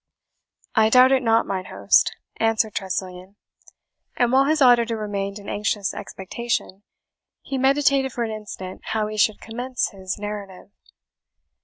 "I doubt it not, mine host," answered Tressilian; and while his auditor remained in anxious expectation, he meditated for an instant how he should commence his narrative.